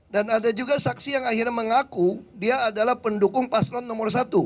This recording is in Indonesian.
dan ada juga saksi yang akhirnya mengaku dia adalah pendukung paslon nomor satu